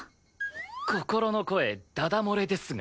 心の声だだ漏れですが？